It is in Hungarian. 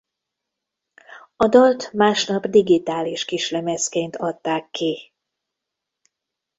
A dalt másnap digitális kislemezként adták ki.